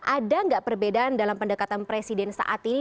ada nggak perbedaan dalam pendekatan presiden saat ini